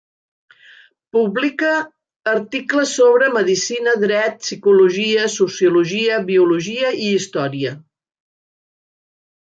Publica articles sobre medicina, dret, psicologia, sociologia, biologia i història.